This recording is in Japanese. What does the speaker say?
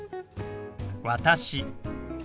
「私」。